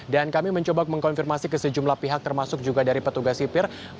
dan kami mencoba mengkonfirmasi ke sejumlah pihak termasuk juga dari petugas sipir